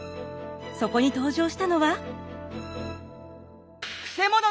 そこに登場したのは。